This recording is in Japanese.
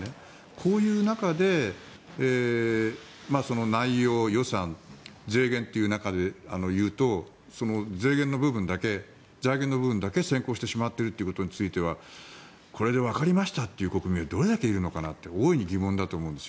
こういう中で内容、予算、税源という中でいうと税源の部分だけ、財源の部分だけ先行してしまっているということについてはこれでわかりましたと言う国民はどれだけいるのかなって大いに疑問だと思うんです。